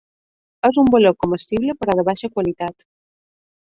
És un bolet comestible però de baixa qualitat.